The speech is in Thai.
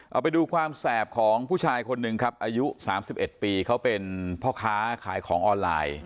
เอาไปดูความแสบของผู้ชายคนหนึ่งครับอายุ๓๑ปีเขาเป็นพ่อค้าขายของออนไลน์